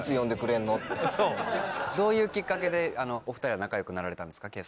どういうきっかけでお２人は仲良くなられたんですか？